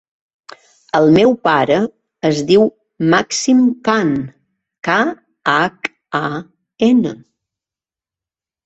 El meu pare es diu Màxim Khan: ca, hac, a, ena.